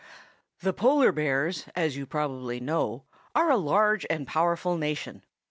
The polar bears, as you probably know, are a large and powerful nation.